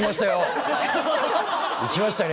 行きましたね！